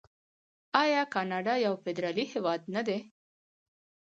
آیا کاناډا یو فدرالي هیواد نه دی؟